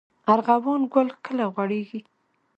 ارغوان ګل کله غوړیږي؟